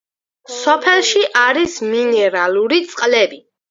სოფელში არის მინერალური წყლები.